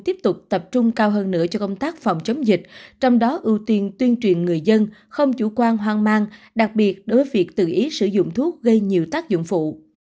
tiếp tục tập trung cao hơn nữa cho công tác phòng chống dịch trong đó ưu tiên tuyên truyền người dân không chủ quan hoang mang đặc biệt đối với việc tự ý sử dụng thuốc gây nhiều tác dụng phụ